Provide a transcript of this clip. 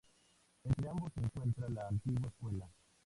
Entre ambos se encuentra la antigua escuela.